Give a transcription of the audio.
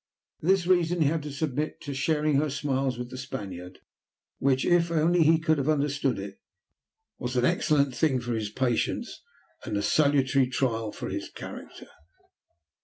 For this reason he had to submit to sharing her smiles with the Spaniard, which, if only he could have understood it, was an excellent thing for his patience, and a salutary trial for his character.